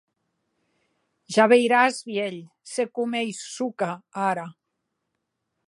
Ja veiràs, vielh, se com ei Zhuchka ara!